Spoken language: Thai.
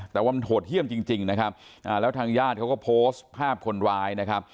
แต่ว่ามันโหดเยี่ยมจริงนะครับแล้วทางญาติเขาก็โพสต์ภาพคนร้ายนะครับ